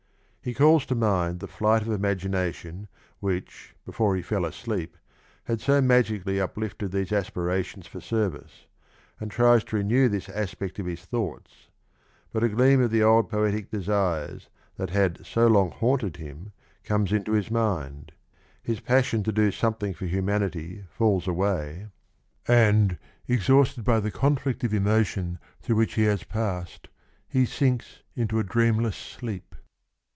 He calls to mind the flight of imagination which, before he fell asleep, had so magically uplifted these aspirations for service, and tries to renew this aspect of his thoughts, but a gleam of the old poetic desires that had so long haunted him comes into his mind; his passion to do something for humanity falls away, and, exhausted by the conflict of emotion through which he has passed he sinks into a dreamless sleep.